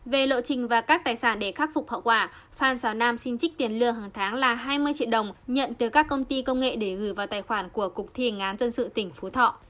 về lộ trình và các tài sản để khắc phục hậu quả phan xào nam xin trích tiền lừa hàng tháng là hai mươi triệu đồng nhận từ các công ty công nghệ để gửi vào tài khoản của cục thi hành án dân sự tỉnh phú thọ